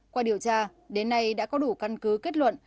qua điều tra đến nay đã có đủ căn cứ kết luận